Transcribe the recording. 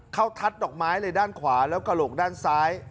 ทัดดอกไม้เลยด้านขวาแล้วกระโหลกด้านซ้าย